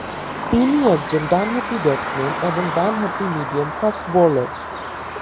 তিনি একজন ডান হাতি ব্যাটসম্যান এবং ডান-হাতি মিডিয়াম ফাস্ট বোলার।